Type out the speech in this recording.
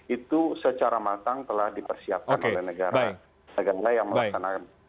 itu secara matang telah dipersiapkan oleh negara negara yang melaksanakan